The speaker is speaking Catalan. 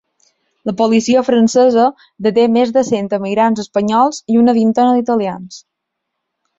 La policia francesa deté més de cent emigrats espanyols i una vintena d’italians.